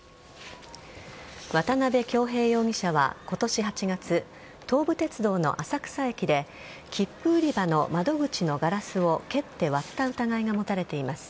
渡辺恭平容疑者は、今年８月東武鉄道の浅草駅で切符売り場の窓口のガラスを蹴って割った疑いが持たれています。